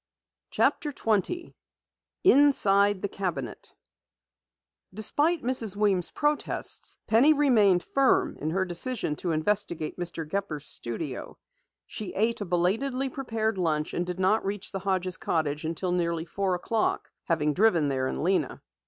CHAPTER 20 INSIDE THE CABINET Despite Mrs. Weems' protests, Penny remained firm in her decision to investigate Mr. Gepper's studio. She ate a belatedly prepared lunch and did not reach the Hodges' cottage until nearly four o'clock, having driven there in Lena.